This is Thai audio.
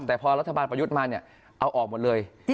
แต่พอรัฐบาลประยุทธ์มาเนี่ยเอาออกหมดเลย